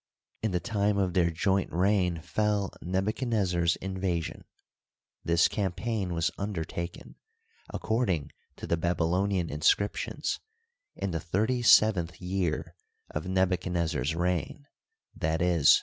In the time of their joint reign fell Nebuchadnezzar's invasion. This campaign was undertakei), according to the Babylonian inscriptions, in the thirty seventh year of Nebuchadnezzar's reign — ^i.